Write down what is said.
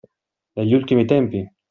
Negli ultimi tempi!